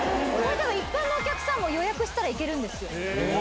一般のお客さんも予約したら行けるんですよ。